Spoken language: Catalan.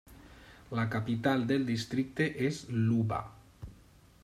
La capital del districte és Luba.